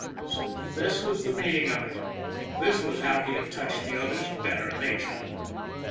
So this was the meaning of it. This was how he had touched the other's better nature!